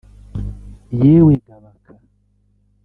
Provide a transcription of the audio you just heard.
Yewe ga Baka